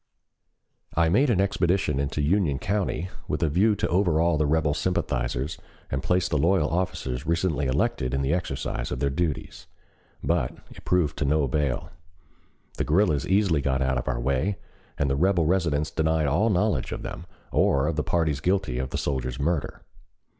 I made an expedition into Union County with a view to overawe the rebel sympathizers and place the loyal officers recently elected in the exercise of their duties. But it proved of no avail. The guerrillas easily got out of our way and the rebel residents denied all knowledge of them or of the parties guilty of the soldier's murder.